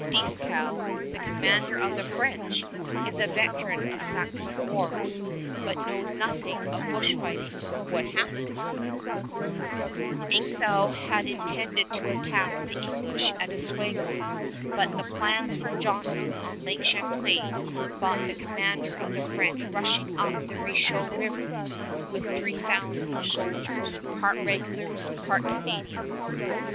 Dieskau, the commander of the French, is a veteran of Saxon wars, but knows nothing of bushfighting. What happens? [Illustration: MAP OF ACADIA AND THE ADJACENT ISLANDS, 1755] Dieskau had intended to attack the English at Oswego, but the plans for Johnson on Lake Champlain brought the commander of the French rushing up the Richelieu River with three thousand soldiers, part regulars, part Canadians.